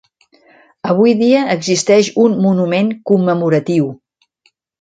Avui dia existeix un monument commemoratiu.